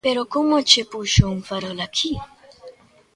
Pero como que che puxo un farol aquí?